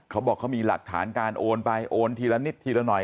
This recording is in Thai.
เขาบอกเขามีหลักฐานการโอนไปโอนทีละนิดทีละหน่อย